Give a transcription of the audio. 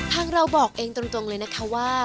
เราบอกเองตรงเลยนะคะว่า